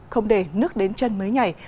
không để nước đến chân mới nhảy